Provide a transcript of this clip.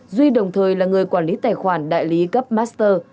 duy đồng thời là người quản lý tài khoản đại lý cấp master